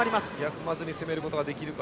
休まず攻めることができるか。